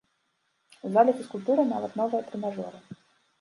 У зале фізкультуры нават новыя трэнажоры.